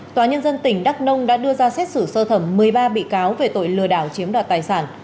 tòa nhân dân tỉnh đắk nông đã đưa ra xét xử sơ thẩm một mươi ba bị cáo về tội lừa đảo chiếm đoạt tài sản